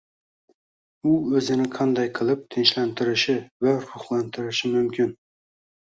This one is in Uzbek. u o‘zini qanday qilib tinchlantirishi va ruhlantirishi mumkin?